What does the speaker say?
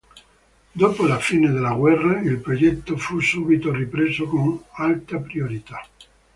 Dopo la fine della guerra il progetto fu subito ripreso con alta priorità.